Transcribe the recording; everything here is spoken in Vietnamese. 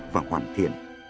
và hoàn thiện